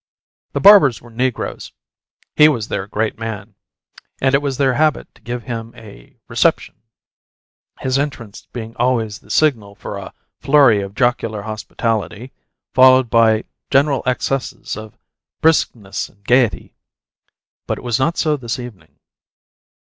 The barbers were negroes, he was their great man, and it was their habit to give him a "reception," his entrance being always the signal for a flurry of jocular hospitality, followed by general excesses of briskness and gaiety. But it was not so this evening.